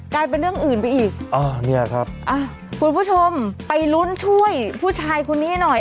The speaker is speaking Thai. กลายเป็นเรื่องอื่นไปอีกอ่าเนี่ยครับอ่ะคุณผู้ชมไปลุ้นช่วยผู้ชายคนนี้หน่อย